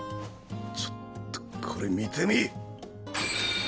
ちょっとこれ見てみ。